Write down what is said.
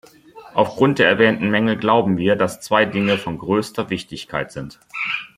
Aufgrund der erwähnten Mängel glauben wir, dass zwei Dinge von größter Wichtigkeit sind.